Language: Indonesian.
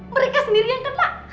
mereka sendiri yang kena